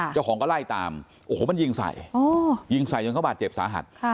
เจ้าของก็ไล่ตามโอ้โหมันยิงใส่ยิงใส่จนเขาบาดเจ็บสาหัส